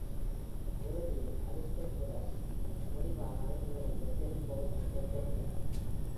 இறுதியில், அரிஸ்டோபுலஸ் முடிவாக அவர்களிடமிருந்து பெரும்பகுதியைக் கைப்பற்றுவார்.